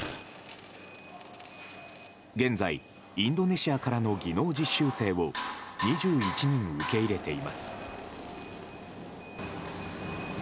現在、インドネシアからの技能実習生を２１人受け入れています。